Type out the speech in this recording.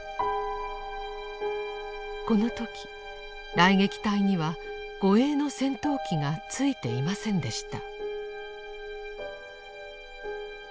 この時雷撃隊には護衛の戦闘機が付いていませんでした。